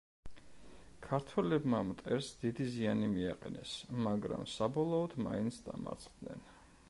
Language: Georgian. ქართველებმა მტერს დიდი ზიანი მიაყენეს, მაგრამ საბოლოოდ მაინც დამარცხდნენ.